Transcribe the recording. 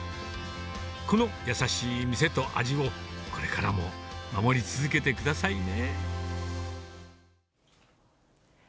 この優しい店と味を、これからも守り続けてくださいね。